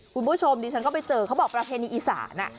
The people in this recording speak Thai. คุณผู้ชมดิฉันก็ไปเจอเขาบอกประเพณีอีสาน